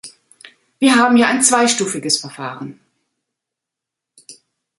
Wir haben ja ein zweistufiges Verfahren.